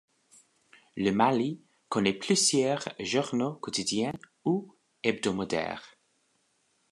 Le Mali connaît plusieurs journaux quotidiens ou hebdomadaires.